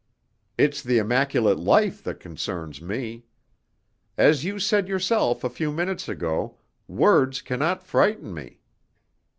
It's the immaculate life that concerns me. As you said yourself a few minutes ago, words cannot frighten me.